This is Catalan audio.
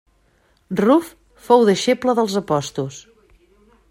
Ruf fou deixeble dels apòstols.